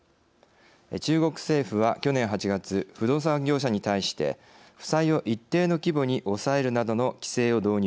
中国政府は去年８月不動産業者に対して負債を一定の規模に抑えるなどの規制を導入。